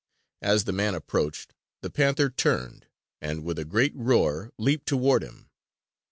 As the man approached, the panther turned and, with a great roar, leaped toward him.